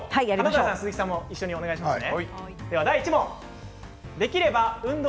華大さん、鈴木さんも一緒にお願いします。